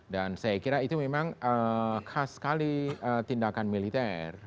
dan saya kira itu memang khas sekali tindakan militer